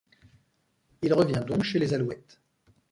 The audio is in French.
Il revient donc chez les Alouettes.